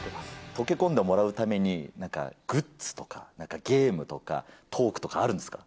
溶け込んでもらうためになんか、グッズとか、なんかゲームとか、トークとかあるんですか。